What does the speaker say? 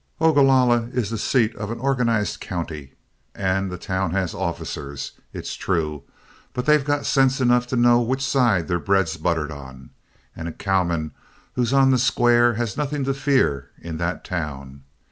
Ogalalla is the seat of an organized county, and the town has officers, it's true, but they've got sense enough to know which side their bread's buttered on; and a cowman who's on the square has nothing to fear in that town.